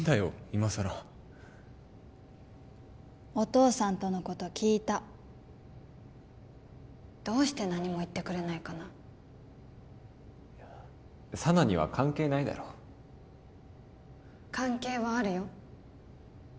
いまさらお父さんとのこと聞いたどうして何も言ってくれないかな佐奈には関係ないだろ関係はあるよ